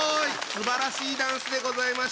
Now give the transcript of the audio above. すばらしいダンスでございました。